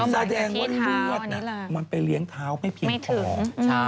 แสดงว่ารวดน่ะมันไปเลี้ยงเท้าไม่ผิดของ